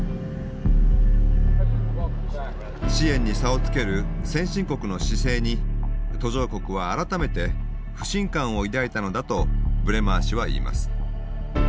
支援に差をつける先進国の姿勢に途上国は改めて不信感を抱いたのだとブレマー氏は言います。